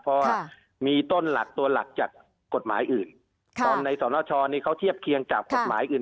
เพราะว่ามีต้นหลักตัวหลักจากกฎหมายอื่นตอนในสรณชอนี่เขาเทียบเคียงจากกฎหมายอื่น